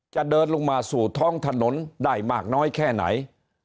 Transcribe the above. จะเดินลงมาสู่ท้องถนนได้มากน้อยแค่ไหน